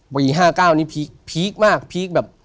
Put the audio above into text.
ปี๕๙นี้พีคมากพีคแบบ